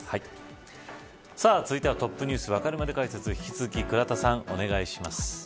続いてはＴｏｐｎｅｗｓわかるまで解説引き続き、倉田さん